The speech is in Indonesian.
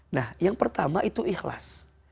nah yang pertama itu ikhlas